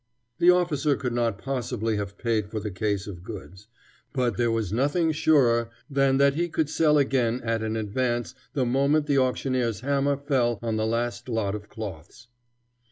The officer could not possibly have paid for the case of goods, but there was nothing surer than that he could sell again at an advance the moment the auctioneer's hammer fell on the last lot of cloths.